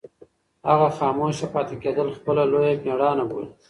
هغه خاموشه پاتې کېدل خپله لویه مېړانه بولي.